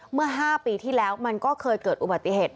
เมื่อ๕ปีที่แล้วมันก็เคยเกิดอุบัติเหตุ